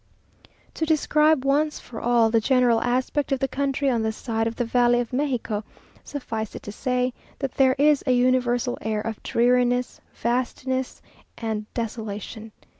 To describe once for all the general aspect of the country on this side of the valley of Mexico, suffice it to say, that there is a universal air of dreariness, vastiness, and desolation.